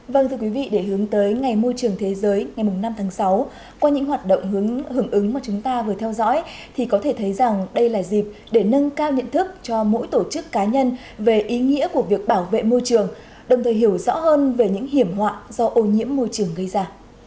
vâng thưa quý vị để hướng tới ngày môi trường thế giới ngày năm tháng sáu qua những hoạt động hưởng ứng mà chúng ta vừa theo dõi thì có thể thấy rằng đây là dịp để nâng cao nhận thức cho mỗi tổ chức cá nhân về ý nghĩa của việc bảo vệ môi trường đồng thời hiểu rõ hơn về những hiểm họa do ô nhiễm môi trường gây ra